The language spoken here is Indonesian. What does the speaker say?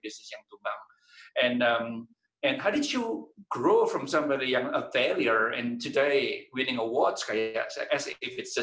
dari seseorang yang kegagalan dan hari ini menangkan pemberian seperti itu seperti itu